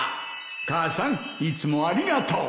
母さんいつもありがとう！